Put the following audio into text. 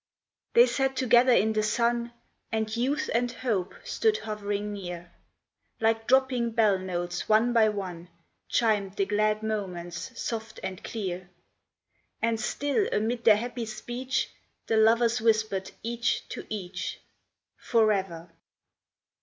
HEY sat together in the sun, And Youth and Hope stood hovering near ; Like dropping bell notes one by one Chimed the glad moments soft and clear ; And still amid their happy speech The lovers whispered each to each, " Forever